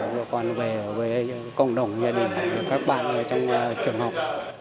để con về với cộng đồng gia đình các bạn ở trong trường học